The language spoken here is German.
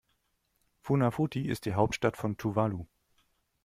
Funafuti ist die Hauptstadt von Tuvalu.